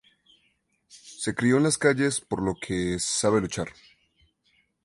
Se crio en las calles por lo que sabe luchar.